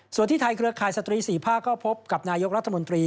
ส่วนที่ไทยเครือข่ายสตรี๔ภาคก็พบกับนายกรัฐมนตรี